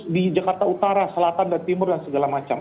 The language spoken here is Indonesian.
di jakarta utara selatan dan timur dan segala macam